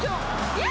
いや！